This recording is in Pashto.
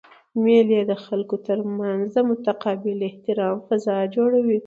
مېلې د خلکو ترمنځ د متقابل احترام فضا جوړوي.